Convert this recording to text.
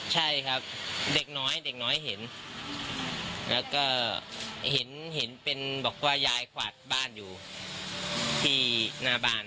เห็นเป็นบอกว่ายายขวาดบ้านอยู่ที่หน้าบ้าน